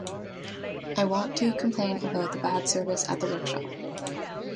I want to complain about the bad service at the workshop.